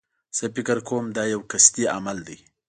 زه فکر کوم دایو قصدي عمل دی.